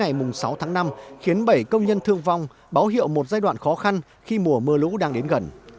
ngày sáu tháng năm khiến bảy công nhân thương vong báo hiệu một giai đoạn khó khăn khi mùa mưa lũ đang đến gần